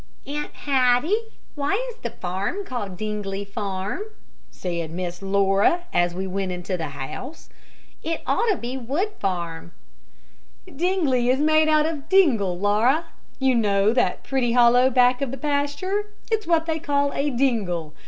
"Aunt Hattie, why is the farm called Dingley Farm?" said Miss Laura, as we went into the house. "It ought to be Wood Farm." "Dingley is made out of 'dingle,' Laura. You know that pretty hollow back of the pasture? It is what they call a 'dingle.'